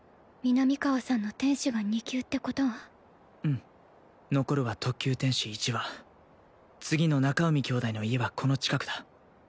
南河さんの天使が２級ってことはうん残るは特級天使１羽次の中海兄弟の家はこの近くだ